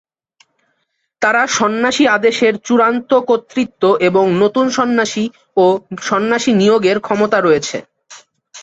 তারা সন্ন্যাসী আদেশের চূড়ান্ত কর্তৃত্ব এবং নতুন সন্ন্যাসী ও সন্ন্যাসী নিয়োগের ক্ষমতা রয়েছে।